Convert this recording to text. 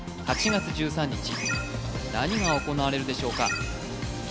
８月１３日何が行われるでしょうか